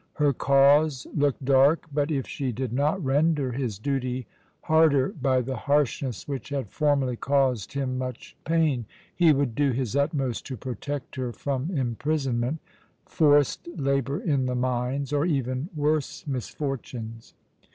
Her cause looked dark but, if she did not render his duty harder by the harshness which had formerly caused him much pain, he would do his utmost to protect her from imprisonment, forced labour in the mines, or even worse misfortunes.